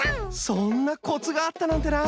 そんなコツがあったなんてな。